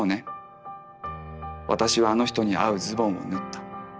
私はあの人に合うズボンを縫った。